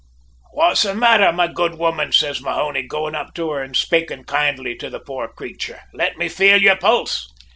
"`What's the mather, my good woman?' says Mahony, going up to her an' spaking kindly to the poor crayture. `Let me feel your pulse.'